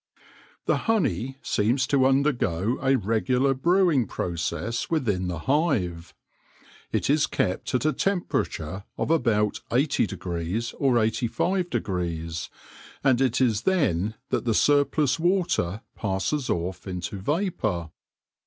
The honey seems to undergo a regular brewing process within the hive. It is kept at a temperature of about 8o° or 8$°, and it is then that the surplus water passes off into vapour.